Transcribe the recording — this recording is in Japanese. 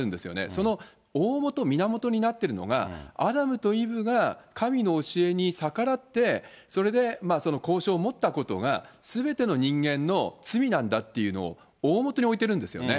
その大もと、源になっているのが、アダムとイブが神の教えに逆らって、それで交渉を持ったことがすべての人間の罪なんだっていうのをおおもとに置いているんですよね。